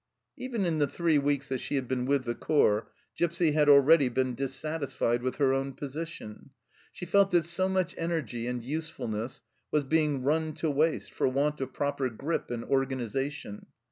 Even in the three weeks that she had been with the corps Gipsy had already been dissatisfied with her own position; she felt that so much energy and usefulness was being run to waste for want of proper grip and organization.